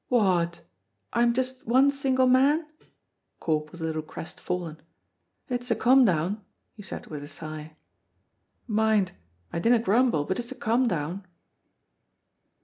"What! I'm just one single man?" Corp was a little crestfallen. "It's a come down," he said, with a sigh, "mind, I dinna grumble, but it's a come down."